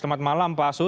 selamat malam pak sus